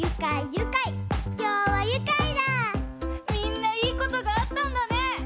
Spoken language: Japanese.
みんないいことがあったんだね！